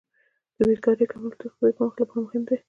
د بیکارۍ کمول د اقتصادي پرمختګ لپاره مهم ګام دی.